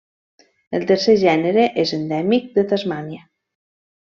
El tercer gènere és endèmic de Tasmània.